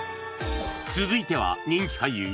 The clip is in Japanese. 続いては人気俳優